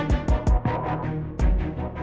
makasih ga ya